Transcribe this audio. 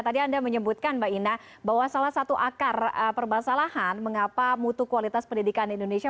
tadi anda menyebutkan mbak ina bahwa salah satu akar permasalahan mengapa mutu kualitas pendidikan di indonesia